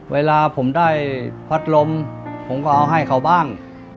เวลาผมได้พัดลมผมก็เอาให้เขาบ้าง